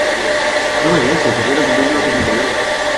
¿No me ves? en febrero cumpliré los setenta y dos.